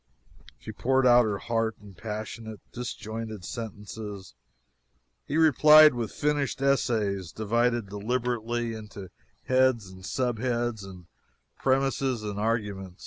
She poured out her heart in passionate, disjointed sentences; he replied with finished essays, divided deliberately into heads and sub heads, premises and argument.